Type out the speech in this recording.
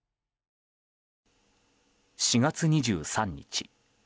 ４月２３日。